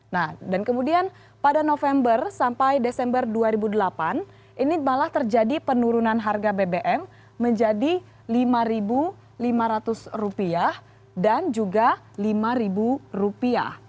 nah dan kemudian pada november sampai desember dua ribu delapan ini malah terjadi penurunan harga bbm menjadi rp lima lima ratus dan juga rp lima